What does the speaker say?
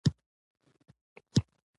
په درنښت،